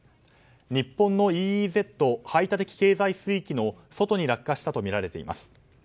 日本のＥＥＺ・排他的経済水域の外に落下したとみられています。